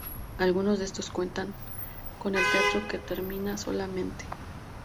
Algunos de estos cuentan con el teatro que termina solamente.